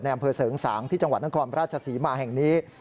อำเภอเสริงสางที่จังหวัดนครราชศรีมาแห่งนี้